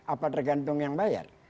apa tergantung yang bayar